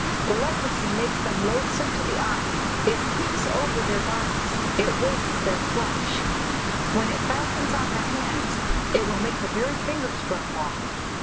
The leprosy makes them loathsome to the eye; it creeps over their bodies; it wastes their flesh; when it fastens on their hands, it will make the very fingers drop off!"